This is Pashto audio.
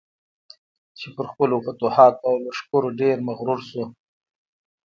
چې پر خپلو فتوحاتو او لښکرو ډېر مغرور شو.